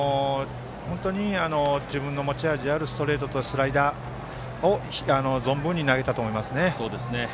自分の持ち味であるストレートとスライダーを存分に投げたと思います。